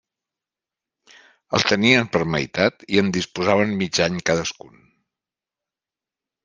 El tenien per meitat i en disposaven mig any cadascun.